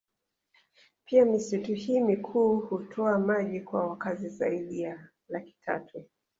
Pia misitu hii mikuu hutoa maji kwa wakazi zaidi ya laki tatu